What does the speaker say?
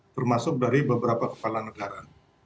termasuk dari beberapa kepala negara